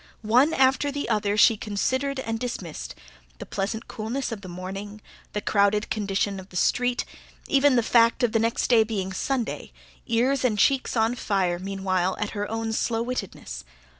One after the other she considered and dismissed: the pleasant coolness of the morning, the crowded condition of the street, even the fact of the next day being Sunday ears and cheeks on fire, meanwhile, at her own slow wittedness.